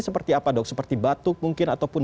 seperti apa dok seperti batuk mungkin ataupun